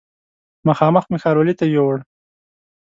مخامخ مې ښاروالي ته یووړ.